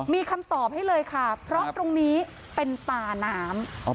มีคำตอบให้เลยค่ะเพราะตรงนี้เป็นตาน้ำ